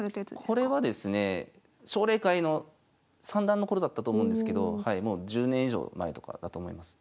これはですねえ奨励会の三段のころだったと思うんですけどもう１０年以上前とかだと思います。